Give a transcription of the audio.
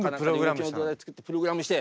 全部プログラムして。